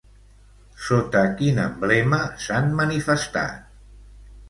Sota quin emblema s'han manifestat?